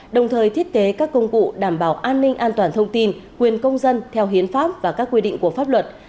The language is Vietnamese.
đồng thời thiết kế các công cụ đảm bảo an ninh an toàn thông tin quyền công dân theo hiến pháp và các quy định của pháp luật